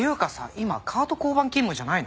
今華跡交番勤務じゃないの？